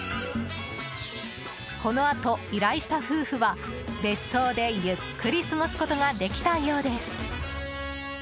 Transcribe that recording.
このあと、依頼した夫婦は別荘でゆっくり過ごすことができたようです。